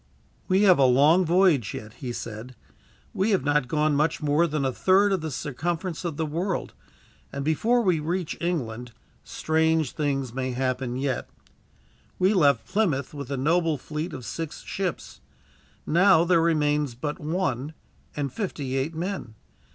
"We have a long voyage yet," he said. "We have not gone much more than a third of the circumference of the world and, before we reach England, strange things may happen yet. We left Plymouth with a noble fleet of six ships. Now there remains but one, and fifty eight men.